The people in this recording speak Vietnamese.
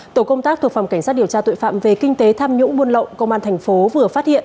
tổ công tác thuộc phòng cảnh sát điều tra tội phạm về kinh tế tham nhũng buôn lậu công an thành phố vừa phát hiện